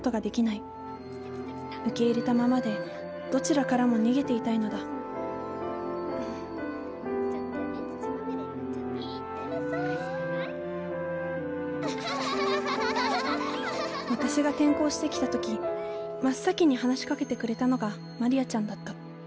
受け入れたままでどちらからも逃げていたいのだ私が転校してきた時真っ先に話しかけてくれたのがマリアちゃんだった。